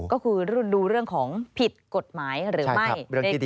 ก็คือรุ่นดูเรื่องของผิดกฎหมายหรือไม่